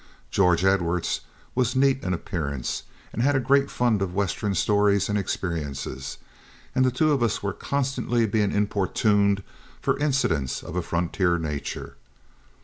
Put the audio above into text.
George Edwards was neat in appearance, had a great fund of Western stories and experiences, and the two of us were constantly being importuned for incidents of a frontier nature.